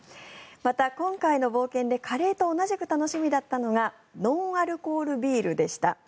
また、今回の冒険でカレーと同じく楽しみだったのがノンアルコールビールでした。